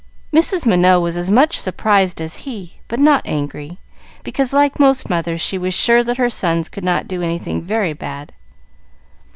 Mrs. Minot was as much surprised as he, but not angry, because, like most mothers, she was sure that her sons could not do anything very bad.